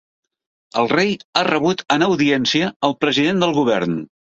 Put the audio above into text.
El rei ha rebut en audiència el president del govern.